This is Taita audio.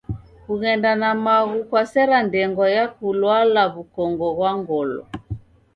Kughenda na maghu kwasera ndengwa ya kulwala w'ukongo ghwa ngolo.